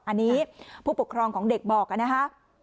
อันนี้ผู้ปกครองของเด็กบอกนะฮะ